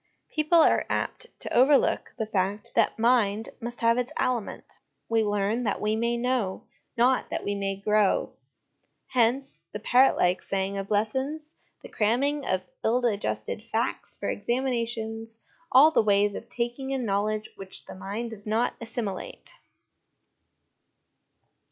People are apt to overlook the fact that mind must have its aliment we learn that we may know, not that we may grow ; hence the parrot like saying of lessons, the cramming of ill digested facts for examinations, all the ways of taking in knowledge which the mind does not assimilate.